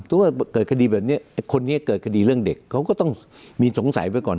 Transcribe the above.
ว่าเกิดคดีแบบนี้คนนี้เกิดคดีเรื่องเด็กเขาก็ต้องมีสงสัยไว้ก่อน